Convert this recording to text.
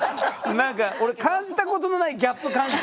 何か俺感じたことのないギャップ感じてるから。